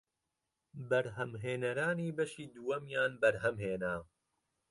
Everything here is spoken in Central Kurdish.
بەرهەمهێنەرانی بەشی دووەمیان بەرهەمهێنا